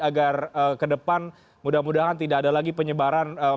agar ke depan mudah mudahan tidak ada lagi penyebaran